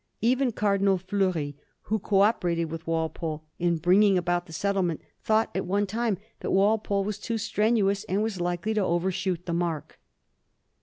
Even Cardinal Fleury, who co operated with Walpole in bring ing about the settlement, thought at one time that Wal pole was too strenuous and was likely to overshoot the mark.